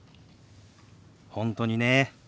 本当にね。